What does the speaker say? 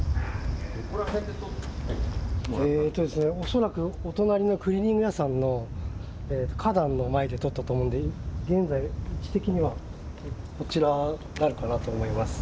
恐らくお隣のクリーニング屋さんの花壇の前で撮ったと思うんで現在位置的にはこちらになるかなと思います。